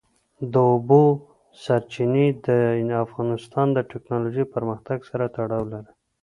د اوبو سرچینې د افغانستان د تکنالوژۍ پرمختګ سره تړاو لري.